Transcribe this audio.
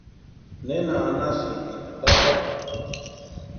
¿Nena anhasïnki atapakwa?